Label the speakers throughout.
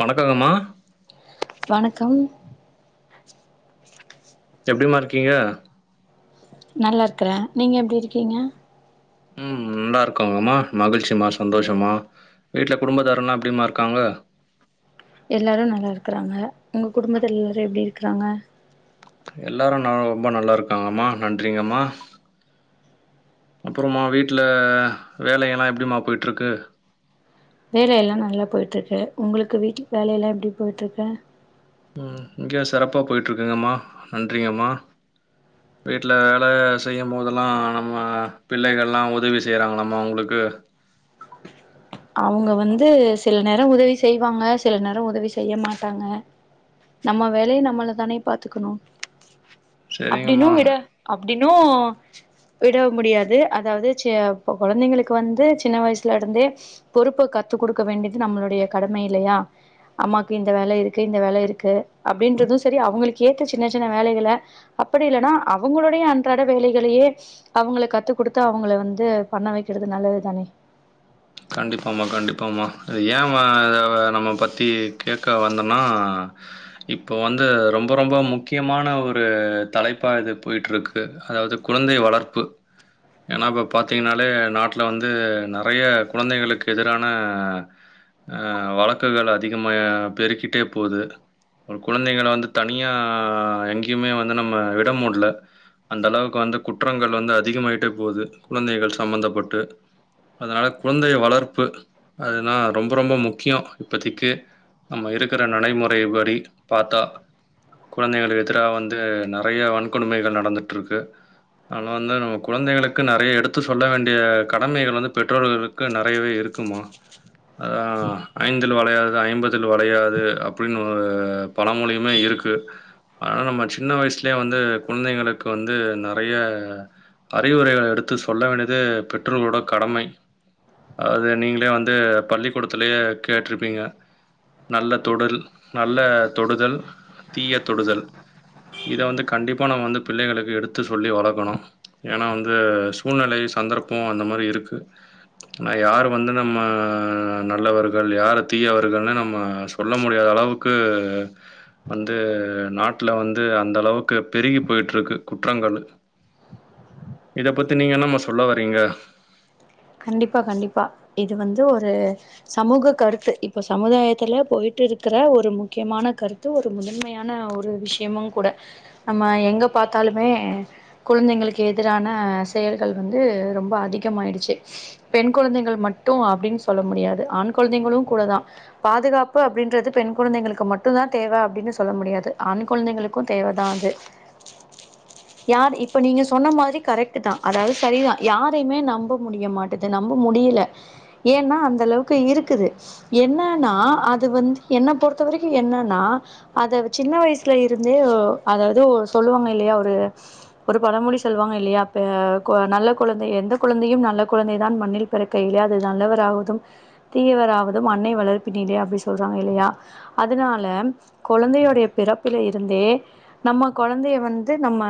Speaker 1: வணக்கங்கம்மா
Speaker 2: வணக்கம்
Speaker 1: எப்டிமா இருக்கீங்க
Speaker 2: நல்லா இருக்குற நீங்கள் எப்டி இருக்கீங்க
Speaker 1: உம் நல்லா இருக்காங்க அம்மா மகிழ்ச்சிமா சந்தோஷமா வீட்டில குடும்பதாரலாம் எப்படிமா இருக்காங்க
Speaker 2: எல்லாரும் நல்லா இருக்குறாங்க உங்க குடும்புத்துல எல்லாரும் எப்படி இருக்குறாங்க
Speaker 1: எல்லாரு நா ரொம்ப நல்லாருக்காங்கம்மா நன்றிங்கம்மா அப்றமா வீட்ல வேலையெல்லா எப்டிமா பொயிட்ருக்கு
Speaker 2: வேலயெல்லா நல்லா பொய்ட்ருக்கு ஒங்ளுக்கு வீட்டி வேலயெல்லா எப்டி பொய்ட்ருக்கு
Speaker 1: ம் இங்க சிறப்பா பொய்ட்ருக்குங்கம்மா நன்றிங்கம்மா வீட்ல வேல செய்யம்போதெல்லா நம்ம பிள்ளைகள்லா உதவி செய்றாங்களம்மா ஒங்ளுக்கு
Speaker 2: அவங்க வந்து சில நேர உதவி செய்வாங்க சில நேர உதவி செய்ய மாட்டாங்க நம்ம வேலய நம்மளே தானே பாத்துக்குணு அப்டினு
Speaker 1: சரிங்கம்மா.
Speaker 2: விடு அப்டினு விட முடியாது அதாது சே கொழந்தைங்களுக்கு வந்து சின்ன வயசுல இருந்தே பொறுப்ப கத்து குடுக்க வேண்டியது நம்மளுடைய கடம இல்லயா அம்மாக்கு இந்த வேல இருக்கு இந்த வேல இருக்கு அப்டின்றது செரி அவுங்ளுக்கு ஏத்த சின்ன வேலைகள அப்டி இல்லனா அவங்களுடைய அன்றாட வேலைகளையே அவங்கள கத்து குடுத்து அவங்கள வந்து பண்ண வைக்கிறது நல்லது தானே
Speaker 1: கண்டிப்பாமா கண்டிப்பாமா அது ஏ வ இத நம்ம பத்தி கேக்க வந்தனா இப்போ வந்து ரொம்ப ரொம்ப முக்கியமான ஒரு தலைப்பா இது பொயிட்ருக்கு அதாது குழந்தை வளர்ப்பு ஏனா இப்ப பாத்திங்கனாலே நாட்ல வந்து நெறைய கொழந்தைங்களுக்கு எதிரான ஆ வழக்குகள் அதிகமா பெருக்கிட்டே போது ஒரு குழந்தைகள வந்து தனியா எங்கிமே வந்து நம்ம விட முட்ல அந்த அளவுக்கு வந்து குற்றங்கள் வந்து அதிகமாயிட்டே போது குழந்தைகள் சம்பந்தப்பட்டு அதனால குழந்தை வளர்ப்பு அதுனா ரொம்ப ரொம்ப முக்கியோ இப்பத்திக்கு நம்ம இருக்குற நடைமுறைபடி பாத்தா குழந்தைங்கள் எதிரா வந்து நெறைய வன்கொடுமைகள் நடந்திட்ருக்கு அதுல வந்து நம்ம குழந்தைகளுக்கு நெறைய எடுத்து சொல்ல வேண்டிய கடமைகள் வந்து பெற்றோர்களுக் கு நெறையவே இருக்குமா அதா ஐந்தில் வளையாதது ஐம்பதில் வளையாது அப்டின் ஒரு பழ மொழியுமே இருக்கு ஆனா நம்ம சின்ன வயசுலே வந்து குழந்தைங்களுக்கு வந்து நெறைய அறிவுரைகளை எடுத்து சொல்ல வேண்டியது பெற்றோர்களோட கடமை அது நீங்ளே வந்து பள்ளிக்கூடத்துலயே கேட்ருப்பீங்க நல்ல தொடல் நல்ல தொடுதல் தீய தொடுதல் இத வந்து கண்டிப்பா நம்ம வந்து பிள்ளைங்களுக்கு எடுத்து சொல்லி வளக்குணு ஏனா வந்து சூழ்நிலை சந்தர்ப்போ அந்த மாரி இருக்கு ஆனா யாரு வந்து நம்ம நல்லவர்கள் யார தீயவர்கள்னு நம்ம சொல்ல முடியாத அளவுக்கு வந்து நாட்ல வந்து அந்த அளவுக்கு பெருகி பொயிட்ருக்கு குற்றங்களு இத பத்தி நீங்க என்னமா சொல்ல வரீங்க
Speaker 2: கண்டிப்பா கண்டிப்பா இது வந்து ஒரு சமூக கருத்து இப்ப சமுதாயத்துல பொயிட்டு இருக்கிற ஒரு முக்கியமான கருத் து ஒரு முதன்மையான ஒரு விஷயமு கூட நம்ம எங்க பாத்தாலுமே குழந்தைங்களுக்கு எதிரான செயல்கள் வந்து ரொம்ப அதிகமாயிடுச்சி பெண் குழந்தைகள் மட்டு அப்டின் சொல்ல முடியாது ஆண் குழந்தைங்களு கூட தா பாதுகாப்பு அப்டின்றது பெண் குழந்தைங்களுக்கு மட்டு தா தேவ அப்டின்னு சொல்ல முடியாது ஆண் குழந்தைங்களுக்கு தேவ தா அது யார் இப்ப நீங்க சொன்ன மாரி கரெக்ட்டு தா அதாது சரிதா யாரைமே நம்ப முடிய மாட்டுது நம்ப முடியல ஏன்னா அந்த அளவுக்கு இருக்குது என்னானா அது வந்து என்ன பொறுத்த வரைக்கும் என்னானா அத சின்ன வயசுலலேருந்தே அதாவது சொல்லுவாங்க இல்லாயா ஒரு ஒரு பழமொழி சொல்வாங்க இல்லயா நல்ல கொழந்தை எந்த கொழந்தையு நல்ல குழந்தை தா மண்ணில் பிறக்கயில அது நல்லவராவதும் தீயவராவது அன்னை வளர்ப்பினிலே அப்டி சொல்றாங்க இல்லையா அதனால குழந்தையோடைய பிறப்புல இருந்தே நம்ம கொழந்தைய வந்து நம்ம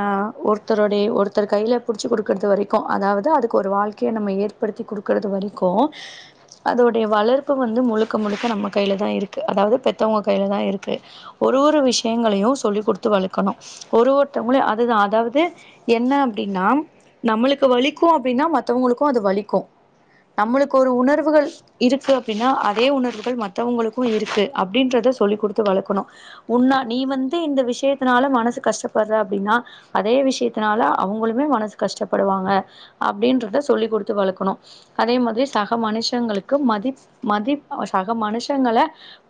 Speaker 2: ஒருத்தருடைய ஒருத்தர் கைல புடிச்சி குடுக்குறது வரை அதாவ்து அதுக் ஒரு வாழ்க்கைய நம்ம ஏற்படுத்தி குடுக்கறது வரைக்கு அதோடைய வளர்ப்பு வந்து முழுக்க முழுக்க நம்ம கைல தா இருக்கு அதாவது பெத்தவங்க கைல தா இருக்கு ஒரு ஒரு விஷ்யங்களையு சொல்லி் குடுத்து வளக்கணு ஒரு ஒருத்தவங்ள அதுதா அதாவ்து என்ன அப்டின்னா நம்ளுக்கு வலிக்கு அப்டினா மத்தவங்ளுக்கு அது வலிக்கு நம்ளுக்கு ஒரு உணர்வுகள் இருக்கு அப்டின்னா அதே உணர்வுகள் மத்தவங்களுக்கு இருக்கு அப்டின்றத சொல்லி் குடுத்து வளக்கணு உன்னா நீ வந்து இந்த விஷ்யத்தினால மனசு கஷ்டப்படுற அப்டினா அதே விஷயத்தினால அவங்ளுமே மனசு கஷ்டப்படுவாங்க அப்டின்றத சொல்லி் குடுத்து வளக்கணு அதே மாதிரி சக மனுஷங்ளுக்கு மதி மதி சக மனுஷங்கள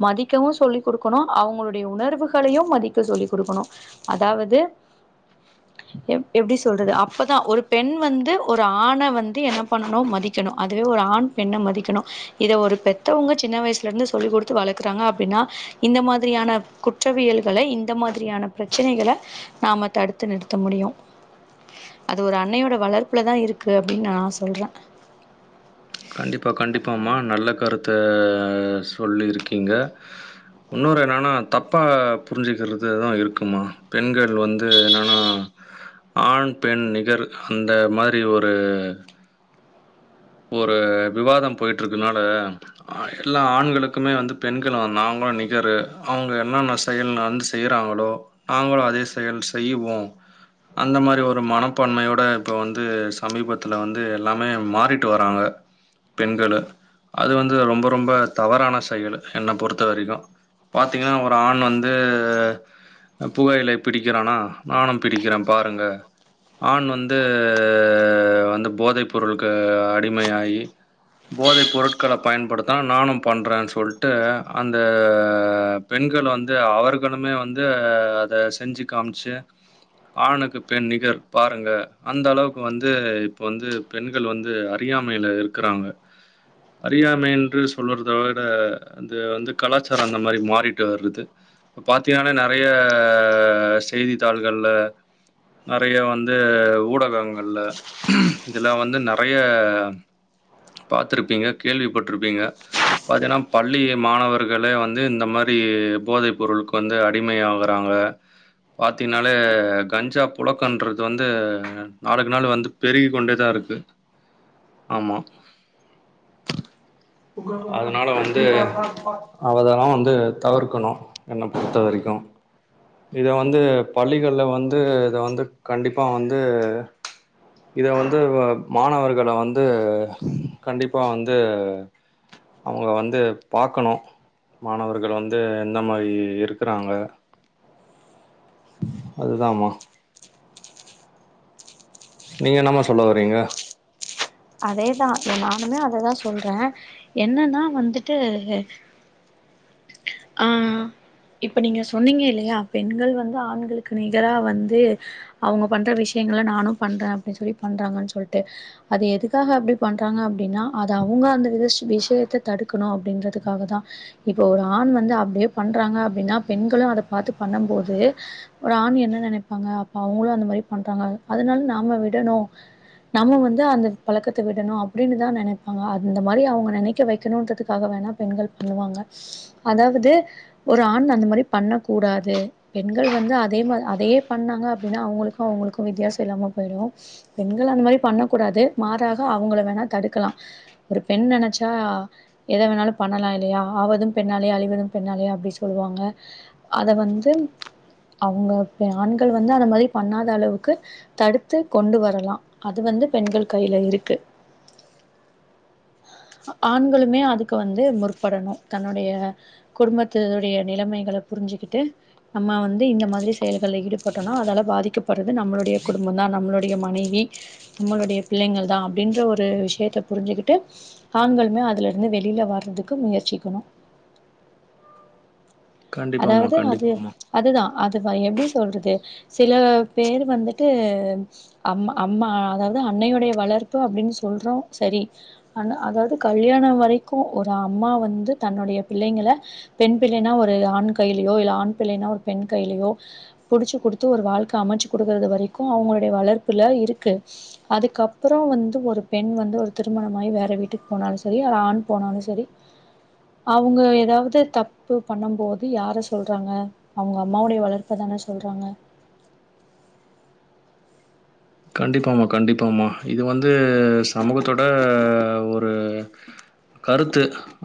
Speaker 2: மதிக்கவு சொல்லிக் குடுக்கணு அவங்ளுடைய உணர்வுகளையு மதிக்க சொல்லிக்குடுக்கணு அதாவது எப்டி சொல்றது அப்பதா ஒரு பெண் வந்து ஒரு ஆண வந் என்ன பண்ணனு மதிக்கணு அதுவே ஒரு ஆண் பெண்ண மதிக்கணு இத ஒரு பெத்தவங்க சின்ன வய்சுல இருந்து சொல்லிக் குடுத்து வளக்குறாங்க அப்டின்னா இந்த மாதிரியான குற்றவியல்களை இந்த மாதிரியான ப்ரச்சனைகள நாம தடுத்து நிறுத்த முடியு அது ஒரு அன்னையோட வளர்ப்புலதா இருக்கு அப்டினு நா சொல்றே
Speaker 1: கண்டிப்பா கண்டிப்பாம்மா நல்ல கருத்த சொல்லியிருக்கீங்க இன்னொரு என்னன்னா தப்பா புரிஞ்சுிக்கிறதுதா இருக்குமா பெண்கள் வந்து என்னன்னா ஆண் பெண் நிகர் அந்த மாரி ஒரு ஒரு விவாதம் போயட்ருக்குனால எல்லா ஆண்களுக்குமே வந்து பெண்கள் வந்து [unintelligible] நிகரு அவ்ங்க என்னனா செயல் நடந்து செய்றாங்ளோ நாங்ளு அதே செயல் செய்வோ அந்த மாரி ஒரு மனப்பான்மையோட இப்போ வந்து சமீபத்தில வந்து எல்லாமே மாறி ட்டு வராங்க பெண்களு அது வந்து ரொம்ப ரொம்ப தவறான செயல் என்ன பொறுத்த வரைக்கு பாத்தீங்னா ஒரு ஆண் வந்து புகையிலை பிடிக்கிறானா நானு பிடிக்கிறே பாருங்க ஆண் வந்து அந்த போதை பொருளுக்கு அடிமையாகி போதை பொருட்கள பயன்படுத்துனா நானு பண்றேன் சொல்ட்டு அந்த பெண்கள் வந்து அவர்களுமே வந்து அத செஞ்சு காமிச்சு ஆணுக்கு பெண் நிகர் பாருங்க அந்த அளவுக்கு வந்து இப்ப வந்து பெண்கள் வந்து அறியாமையில இருக்கிறாங்க அறியாமை என்று சொல்லுறத விட வந்து வந்து கலாச்சாரோ அந்த மாரி மாறிட்டு வர்றது இப்ப பாத்தீங்கன்னா நெறைய செய்தித்தாள்கள்ல நெறைய வந்து ஊடகங்கள்ல இதுல வந்து வந்து நெறைய பாத்திருப்பீங்க கேள்விப்பட்டிருப்பீங்க பாத்தீனா பள்ளி மாணவர்களே வந்து இந்த மாரி போதைப்பொருளுக்கு வந்து அடி அடிமையாகுறாங்க பாத்தீங்னாலே கஞ்சா புழக்கன்றது வந்து நாளுக்கு நாள் வந்து பெருகி கொண்டே தா இருக்கு ஆமா அதுனால வந்து அதுலல்லா வந்து தவிர்க்கணு என்ன பொறுத்த வரைக்கு இத வந்து பள்ளிகள்ல வந்து இத வந்து கண்டிப்பா வந்து இத வந்து மாணவர்கள வந்து கண்டிப்பா வந்து அவுங்கள வந்து பாக்கணு மாணவர்கள் வந்து எந்த மாரி இருக்குறாங்க அதுதாமா நீங்க என்னமா சொல்ல வரீங்க
Speaker 2: அதேதா ஏ நானுமே அததா சொல்ற என்னன்னா வந்துட்டு ஆ இப்ப நீங்க சொன்னீங்க இல்லையா பெண்கள் வந்து ஆண்களுக்கு நிகரா வந்து அவுங்க பண்ற விசயங்கள நானு பண்றே அப்டின் சொல்லி பண்றாங்கனு சொல்ட்டு அது எதுக்காக அப்டி பண்றாங்க அப்டினா அது அவுங்க அந்த வி விஷயத்த தடுக்கணு அப்டின்றதுக்காகதா இப்ப ஒரு ஆண் வந்து அப்டியே பண்றாங்க அப்டினா பெண்களு அத பாத்து பண்ணும் போது ஒரு ஆண் என்ன நினைப்பாங்க அப்ப அவுங்களு அந்த மாரி பண்றாங்க அதுனால நாம விடணு நம்ம வந்து அந்த பழக்கத்த விடணு அப்டினுதா நெனைப்பாங்க அந்த மாரி அவுங்க நெனைக்க வெக்கணுன்றதுக்காக வேணா பெண்கள் பண்ணுவாங்க அதாவது ஒரு ஆண் அந்த மாரி பண்ணக் கூடாது பெண்கள் வந்து அதே மா அதையே பண்ணாங்க அப்டினா அவுங்களுக்கு அவுங்களுக்கு வித்தியாச இல்லாம போயிடு பெண்கள் அந்த மாரி பண்ணக் கூடாது மாறாக அவுங்கள வேணா தடுக்கலா ஒரு பெண் நெனைச்சா எத வேணாலு பண்ணலா இல்லையா ஆவதும் பெண் ண்ணாலே அழிவதும் பெண்ணாலே அப்டி சொல்லுவாங்க அத வந்து அவுங்கப்ப ஆண்கள் வந்து அத மாரி பண்ணாத அளவுக்கு தடுத்து கொண்டு வரலா அது வந்து பெண்கள் கையில இருக்கு ஆண்களுமே அதுக்கு வந்து முற்படணு தன்னுடைய குடும்பத்து உடைய நிலமைகள புரிஞ்சுகிட்டு நம்ம வந்து இந்த மாதிரி செயல்கள ஈடுபட்டோனா அதால பாதிக்கப்பட்றது நம்மளுடைய குடும்பந்தா நம்மளுடைய மனைவி நம்மளுடைய பிள்ளைகள்தா அப்டின்ற ஒரு விஷயத்த புரிஞ்சுக்கிட்டு ஆண்களுமே அதிலருந்து வெளியில வர்றதுக்கு முயற்சிக்கணு
Speaker 1: கண்டிப்பாமா
Speaker 2: அதாவது அது
Speaker 1: கண்டிப்பாமா
Speaker 2: அதுதா அது எப்டி சொல்றது சில பேர் வந்துட்டு அம் அம்மா அதாவது அன்னையோடைய வளர்ப்பு அப்டின் சொல்றோ சரி அனா அதாவது கல்யாண வரைக்கு ஒரு அம்மா வந்து தன்னுடைய பிள்ளைங்கள பெண் பிள்ளைன்னா ஒரு ஆண் கையிலயோ இல்ல ஆண் பிள்ளைன்னா ஒரு பெண் கையிலயோ புடிச்சு குடுத்து ஒரு வாழ்க்க அமைச்சு குடுக்குறது வரைக்கு அவுங்களுடைய வளர்ப்புல இருக்கு அதுக்கப்பறோ வந்து ஒரு பெண் வந்து ஒரு திருமணமாயி வேற வீட்டுக்கு போனாலு செரி ஒரு ஆண் போனாலு செரி அவுங்க எதாவது தப்பு பண்ணும் போது து யார சொல்றாங்க அவுங்க அம்மாவுடைய வளர்ப்பதான சொல்றாங்க
Speaker 1: கண்டிப்பாம்மா கண்டிப்பாம்மா இது வந்து சமூகத்தோட ஒரு கருத்து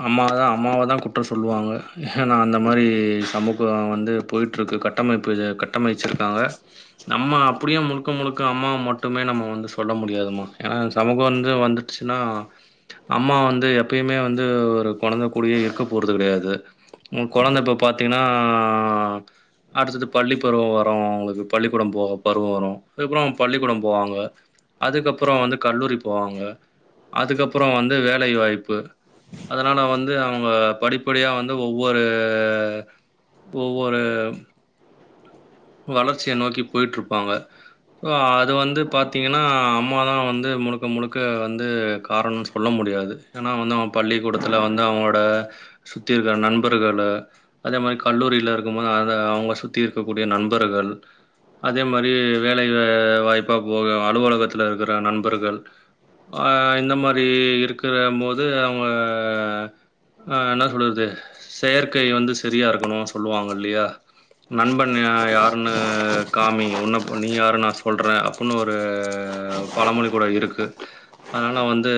Speaker 1: அம்மாதா அம்மாவதா குற்றம் சொல்லுவாங்க ஏனா அந்த மாரி சமூக வந்து போய்ட்டு இருக்கு கட் கட்டமைப்பு கட்டமைச்சிருக்காங்க நம்ம அப்டியே முழுக்க முழுக்க அம்மாவ மட்டுமே நம்ம வந்து சொல்ல முடியாதுமா ஏனா இந்த சமூகம் வந்து வந்துடுச்சுன்னா அம்மா வந்து எப்பையுமே வந்து ஒரு கொழந்த கூடையே இருக்க போறது கெடையாது உன் கொழந்த இப்ப பாத்தீங்னா அடுத்தது பள்ளி பருவோ வரு அவுங்களுக்கு பள்ளிக்கூட போக பருவோ வரு அதுக்கப்றோ பள்ளிக்கூடம் போவாங்க அதுக்கப்பறோ வந்து கல்லூரி போவாங்க அதுக்கப்பறோ வந்து வேலை வாய்ப்பு அதுனால வந்து அவாங்க படிப்படியா வந்து ஒவ்வொரு ஒவ்வொரு வளர்ச்சிய நோக்கி போயிட்ருப்பாங்க ங்க அது வந்து பாத்தீங்கன்னா அம்மா தா வந்து முழுக்க முழுக்க வந்து காரணோ சொ சொல்ல முடியாது ஏன்னா வந்து அவன் பள்ளிக்கூடத்துல வந்து அவனோட சுத்தி இருக்குற நண்பர்கள அதே மாரி கல்லூரியில இருக்கும்போது அத அவுங்க சுத்தி இருக்கக்கூடிய நண் பர்கள் அதே மாரி வேலை வாய்ப்பா போக அலுவலகத்துல இருக்குற நண்பர்கள் ஆ இந்த மாரி இருக்குற போது அவுங்க ஆ என்ன சொல்றது செயற்கை வந்து சரியா இருக்கணு சொல்லுவாங்க இல்லையா நண்பன் யார் யாருன்னு காமி உன் நீ யாருனு நா சொல்றேன் அப்புட்னு ஒரு பழமொழி கூட இருக்கு அதுனால வந்து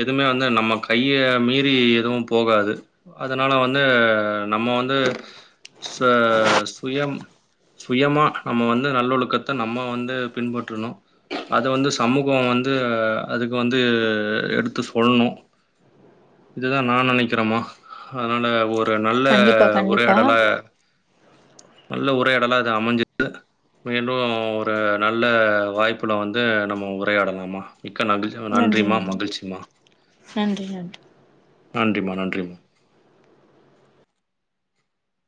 Speaker 1: எதுவுமே வந்து நம்ம கைய மீறி எதுவும் போகாது அதுனால வந்து நம்ம வந்து ச சுயம் சுயம்மா நம்ம வந்து நல்லொழுக்கத்த நம்ம வந்து பின்பற்றணு அது வந்து சமூகோ வந்து அதுக்கு வந்து எடுத்து சொல்ணு இதுதா நா நெனைக்கிறமா அதுனால ஒர் ஒரு நல்ல
Speaker 2: கண்டிப்பா கண்டிப்பா
Speaker 1: உரையாடல நல்ல உரையாடலா இது அமைஞ்சுது மீண்டு ஒரு நல்ல வாய்ப்புல வந்து நம்ம உரையாடலாமா மிக்க மகிழ்ச்சி
Speaker 2: நன்றி
Speaker 1: நன்றிமா
Speaker 2: நன்றி
Speaker 1: மகிழ்ச்சிமா
Speaker 2: நன்றி நன்றி
Speaker 1: நன்றிமா நன்றிமா